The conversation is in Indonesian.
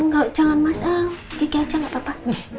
enggak jangan masal kiki aja gak apa apa